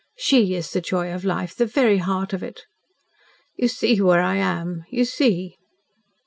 SHE is the joy of Life the very heart of it. You see where I am you see!"